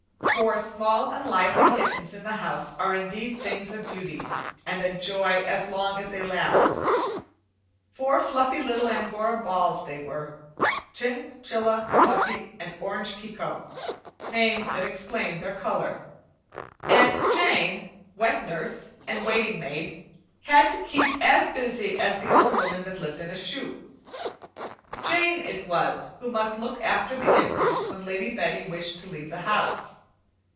Four small and lively kittens in the house are indeed things of beauty, and a joy as long as they last. Four fluffy little Angora balls they were Chin, Chilla, Buffie, and Orange Pekoe, names that explain their color. And Jane, wet nurse and waiting maid, had to keep as busy as the old woman that lived in a shoe. Jane it was who must look after the infants when Lady Betty wished to leave the house.